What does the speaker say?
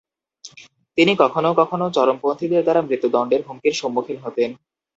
তিনি কখনও কখনও চরমপন্থীদের দ্বারা মৃত্যুদণ্ডের হুমকির সম্মূখীন হন।